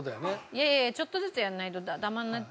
いやいやちょっとずつやらないとダマになっちゃうので。